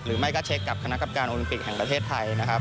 หรือไม่ก็เช็คกับคณะกรรมการโอลิมปิกแห่งประเทศไทยนะครับ